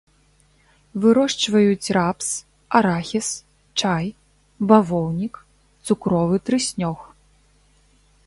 Вырошчваюць рапс, арахіс, чай, бавоўнік, цукровы трыснёг.